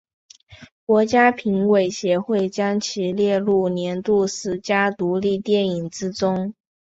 国家评论协会将其列入年度十佳独立电影之中。